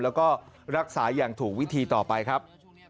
แล้วก็รักษาอย่างถูกวิธีต่อไปครับ